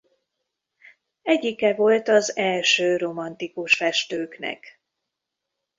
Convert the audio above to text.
Egyike volt az első romantikus festőknek.